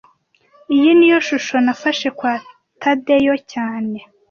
Iyi niyo shusho nafashe kwa Tadeyo cyane